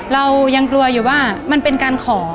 เรายังกลัวอยู่ว่ามันเป็นการขอ